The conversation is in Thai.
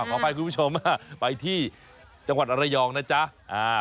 ขออภัยคุณผู้ชมไปที่จังหวัดระยองนะจ๊ะ